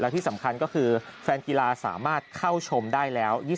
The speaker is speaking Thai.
ที่สำคัญก็คือแฟนกีฬาสามารถเข้าชมได้แล้ว